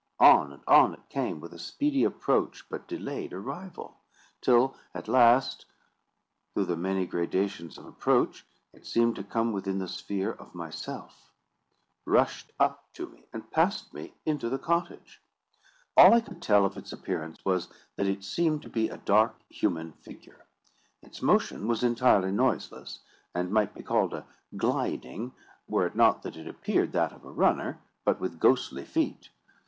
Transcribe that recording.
On and on it came, with a speedy approach but delayed arrival; till, at last, through the many gradations of approach, it seemed to come within the sphere of myself, rushed up to me, and passed me into the cottage. All I could tell of its appearance was, that it seemed to be a dark human figure. Its motion was entirely noiseless, and might be called a gliding, were it not that it appeared that of a runner, but with ghostly feet.